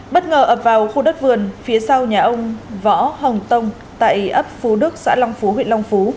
bất ngờ ập vào khu đất vườn phía sau nhà ông võ hồng tông tại ấp phú đức xã long phú huyện long phú